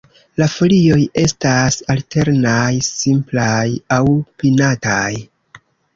La folioj estas alternaj, simplaj aŭ pinataj.